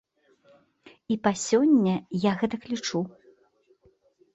І па сёння я гэтак лічу.